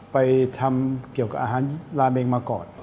ไปทำเกี่ยวกับอาหารลาเมงมาก่อน